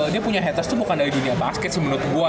dia punya haters itu bukan dari dunia basket sih menurut gue